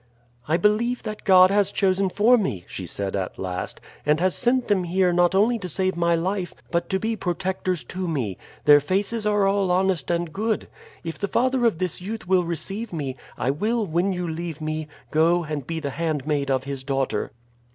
"I believe that God has chosen for me," she said at last, "and has sent them here not only to save my life, but to be protectors to me; their faces are all honest and good. If the father of this youth will receive me, I will, when you leave me, go and be the handmaid of his daughter."